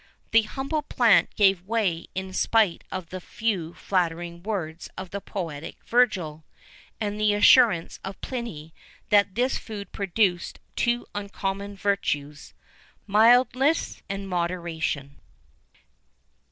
The humble plant gave way in spite of the few flattering words of the poetic Virgil,[VIII 43] and the assurance of Pliny that this food produced two uncommon virtues mildness and moderation.